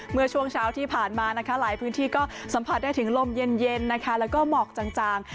เมื่อช่วงเช้าที่ผ่านมานะคะหลายพื้นที่ก็สัมผัสได้ถึงลมเย็นแล้วก็หมอกจาง